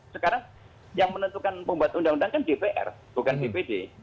sekarang yang menentukan pembuat undang undang kan dpr bukan dpd